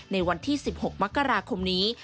ในวันที่๑๖มกราคมนี้